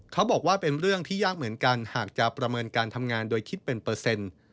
เขาบอกว่าเป็นเรื่องที่ยากเหมือนกันหากจะประเมินการทำงานโดยคิดเป็นเปอร์เซ็นต์